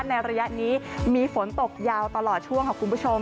ในระยะนี้มีฝนตกยาวตลอดช่วงค่ะคุณผู้ชม